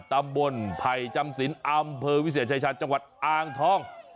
ตำบลไผ่จำสินอำเภอวิเศษชายชาญจังหวัดอ่างทอง